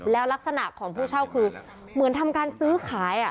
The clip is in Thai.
แล้วลักษณะของผู้เช่าคือเหมือนทำการซื้อขาย